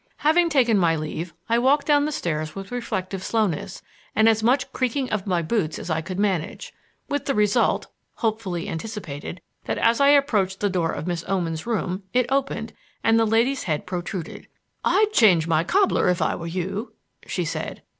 Having taken my leave, I walked down the stairs with reflective slowness and as much creaking of my boots as I could manage; with the result, hopefully anticipated, that as I approached the door of Miss Oman's room it opened and the lady's head protruded. "I'd change my cobbler if I were you," she said.